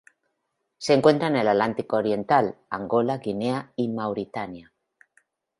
Se encuentra en el Atlántico oriental: Angola, Guinea y Mauritania.